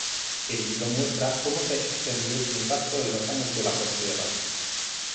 El libro muestra cómo se extendió este impacto en los años de la posguerra.